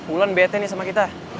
ulan bete nih sama kita